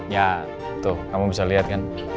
ya tuh kamu bisa lihat kan